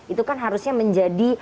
itu kan harusnya menjadi